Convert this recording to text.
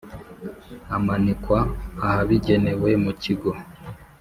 amanikwa ahabigenewe mu kigo